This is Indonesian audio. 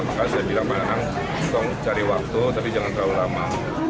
maka saya bilang pak anang cari waktu tapi jangan terlalu lama